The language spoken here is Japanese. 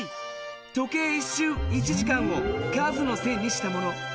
時計１しゅう１時間を数の線にしたもの。